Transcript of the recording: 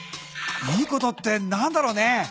いいことって何だろうね？